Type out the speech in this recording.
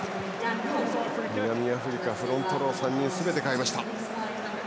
南アフリカはフロントロー３人をすべて代えました。